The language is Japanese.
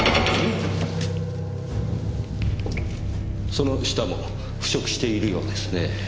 その下も腐食しているようですねぇ。